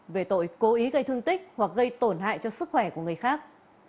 về tội cố ý gây thương tích hoặc gây tổn hại cho sức khỏe của người khác